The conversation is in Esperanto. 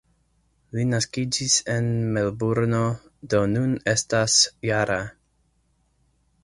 Li naskiĝis en Melburno, do nun estas -jara.